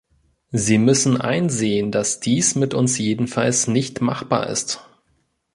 Sie müssen einsehen, dass dies mit uns jedenfalls nicht machbar ist.